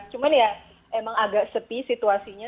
cuman ya emang agak sepi situasinya